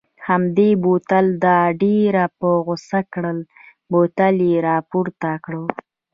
همدې بوتل دا ډېره په غوسه کړل، بوتل یې را پورته کړ.